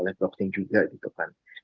ada beberapa perkembangan di bidang aset crypto